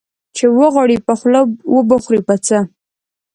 ـ چې وغواړې په خوله وبه خورې په څه.